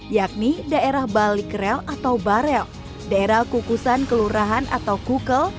yakni daerah balikrel atau barel daerah kukusan kelurahan atau kukel